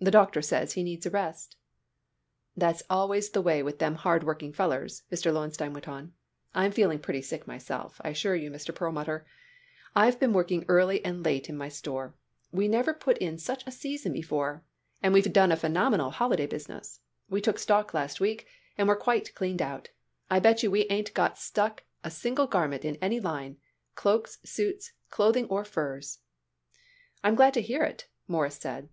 "The doctor says he needs a rest." "That's always the way with them hard working fellers," Mr. Lowenstein went on. "I'm feeling pretty sick myself, I assure you, Mr. Perlmutter. I've been working early and late in my store. We never put in such a season before, and we done a phenomenal holiday business. We took stock last week and we're quite cleaned out. I bet you we ain't got stuck a single garment in any line cloaks, suits, clothing or furs." "I'm glad to hear it," Morris said.